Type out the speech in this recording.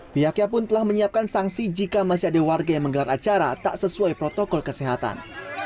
pihaknya pun telah menyiapkan sanksi jika masih ada warga yang menggelar acara tak sesuai protokol kesehatan